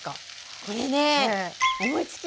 これね思いつき！